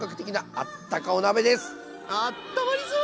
あったまりそう！